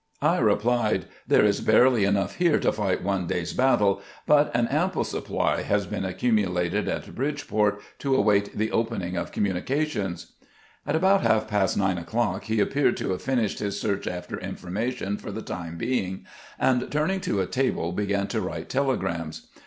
I replied, " There is barely enough here to fight one day's battle, but an ample supply has been accumulated at Bridgeport to await the opening of communications." At about half past nine o'clock he appeared to have finished his search after information for the time being, and turning to a table, began to write telegrams.